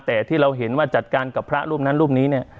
แต่ที่เราเห็นว่าจัดการกับพระรูปนั้นรูปนี้เนี่ย